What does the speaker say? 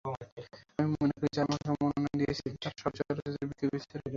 আমি মনে করি, যাঁরা আমাকে মনোনয়ন দিয়েছেন, তাঁরা সবাই চলচ্চিত্রের বিজ্ঞ বিচারক।